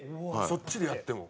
そっちでやっても？